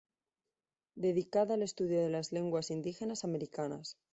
Dedicada al estudio de las lenguas indígenas americanas.